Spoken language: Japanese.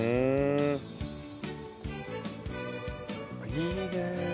いいね。